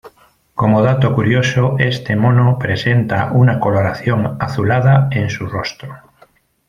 Como dato curioso, este mono presenta una coloración azulada en su rostro.